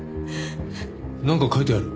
なんか書いてある。